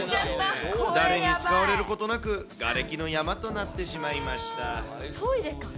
誰に使われることなく、がれきの山となってしまいました。